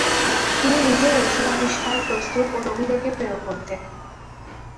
তিনি নিজেই ঔষধ আবিষ্কার, প্রস্তুত ও রোগীদেরকে প্রয়োগ করতেন।